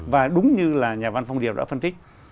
và đúng như là nhà văn phong điều đã phân tích